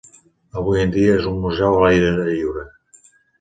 Avui en dia és un museu a l"aire lliure.